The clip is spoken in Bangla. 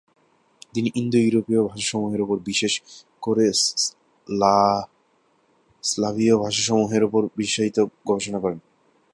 তিনি ইন্দো-ইউরোপীয় ভাষাসমূহের উপর, বিশেষ করে স্লাভীয় ভাষাসমূহের উপর বিশেষায়িত গবেষণা করেন।